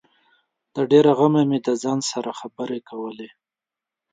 د ډېره غمه مې د ځان سره خبري کولې